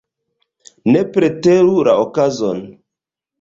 Ne preteru la okazon.